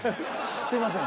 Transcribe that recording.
すいません。